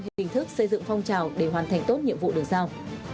hình thức xây dựng phong trào để hoàn thành tốt nhiệm vụ được giao